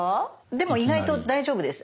でも意外と大丈夫です。